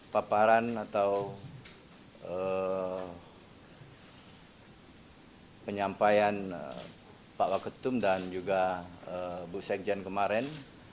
paparan atau penyampaian pak waketum dan juga bu sekjen kemarin